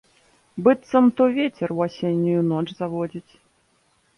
Быццам то вецер у асеннюю ноч заводзіць.